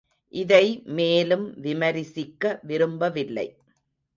இதை மேலும் விமரிசிக்க விரும்பவில்லை.